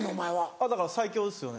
あっだから最強ですよね